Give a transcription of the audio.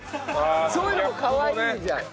そういうのもかわいいじゃん！